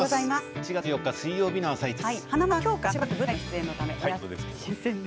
７月１４日水曜日の「あさイチ」です。